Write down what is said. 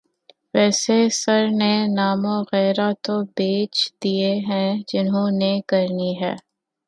ویسے سر نے نام وغیرہ تو بھیج دیے ہیں جنہوں نے کرنی ہے۔